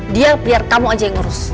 dia biar kamu aja yang ngurus